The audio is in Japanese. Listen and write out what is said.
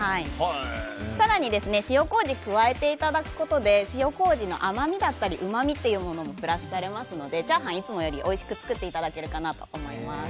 更に塩麹を加えていただくことで塩麹の甘みやうまみっていうものもプラスされますのでチャーハンがいつもよりおいしく作っていただけると思います。